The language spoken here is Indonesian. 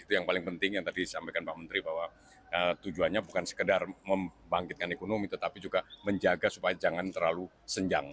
itu yang paling penting yang tadi disampaikan pak menteri bahwa tujuannya bukan sekedar membangkitkan ekonomi tetapi juga menjaga supaya jangan terlalu senjang